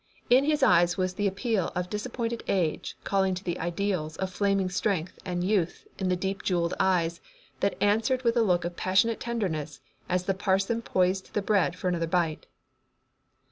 In his eyes was the appeal of disappointed age calling to the ideals of flaming strength and youth in the deep jeweled eyes that answered with a look of passionate tenderness as the parson poised the bread for another bite.